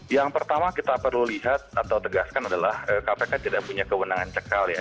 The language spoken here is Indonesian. yang pertama kita perlu lihat atau tegaskan adalah kpk tidak punya kewenangan cekal ya